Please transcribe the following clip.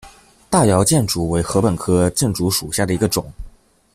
大姚箭竹为禾本科箭竹属下的一个种。